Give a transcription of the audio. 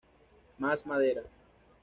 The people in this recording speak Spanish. Más Madera!